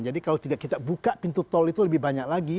jadi kalau tidak kita buka pintu tol itu lebih banyak lagi